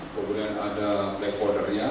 kemudian ada black powdernya